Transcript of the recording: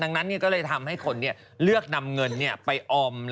ดังนั้นก็เลยทำให้คนเลือกนำเงินไปออม